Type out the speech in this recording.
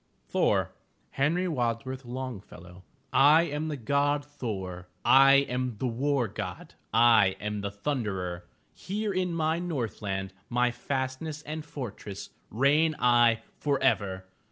THOR Henry Wadsworth Longfellow I am the God Thor, I am the War God, I am the Thunderer! Here in my Northland, My fastness and fortress, Reign I forever!